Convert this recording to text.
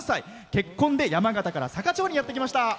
結婚で山形から坂町にやってきました。